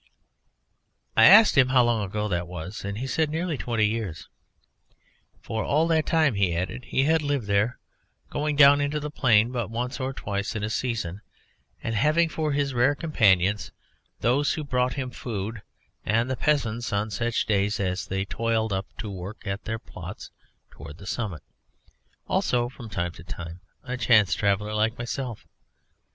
I asked him how long ago that was, and he said nearly twenty years. For all that time, he added, he had lived there, going down into the plain but once or twice in a season and having for his rare companions those who brought him food and the peasants on such days as they toiled up to work at their plots towards the summit; also, from time to time, a chance traveller like myself.